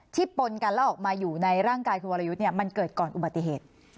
ปนกันแล้วออกมาอยู่ในร่างกายคุณวรยุทธ์มันเกิดก่อนอุบัติเหตุ